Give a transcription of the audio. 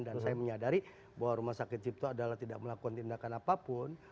dan saya menyadari bahwa rumah sakit cipto adalah tidak melakukan tindakan apapun